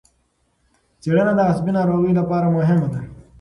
څېړنه د عصبي ناروغیو لپاره مهمه ده.